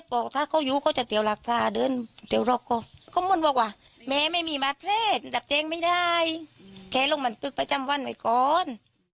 บอกว่าแม่ไม่มีมาสเทศหลับแจ้งไม่ได้แคล้ลงบนตึกประจำวันไว้ก่อน